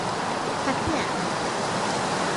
Happy End